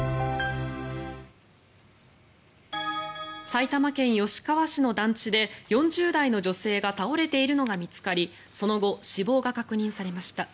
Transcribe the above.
埼玉県吉川市の団地で４０代の女性が倒れているのが見つかりその後、死亡が確認されました。